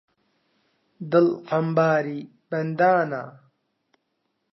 دڵ عەمباری بەندانە